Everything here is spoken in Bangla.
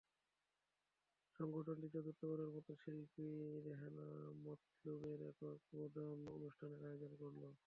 সংগঠনটি চতুর্থবারের মতো শিল্পী রেহানা মতলুবের একক বাদন অনুষ্ঠানের আয়োজন করল।